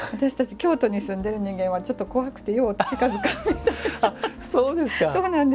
京都に住んでいる人間はちょっと怖くてよう近づかんのです。